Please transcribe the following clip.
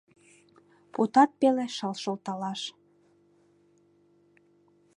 Путат пеле шыл шолталаш